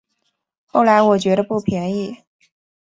后来我觉得不便宜